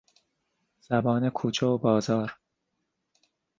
زبان کوچه و بازار